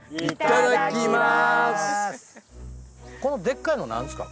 このでっかいの何ですか？